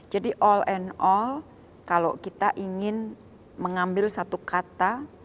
jadi all and all kalau kita ingin mengambil satu kata